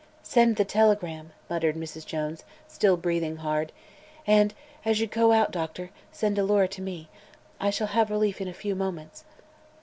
"Send the telegram," muttered Mrs. Jones, still breathing hard; "and, as you go out, Doctor, send Alora to me. I shall have relief in a few moments."